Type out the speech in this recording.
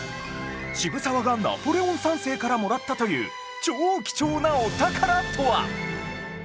渋沢がナポレオン三世からもらったという超貴重なお宝とは！？